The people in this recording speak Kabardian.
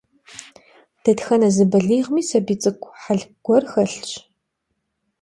Detxene zı baliğımi sabiy ts'ık'u hel guer xelhş.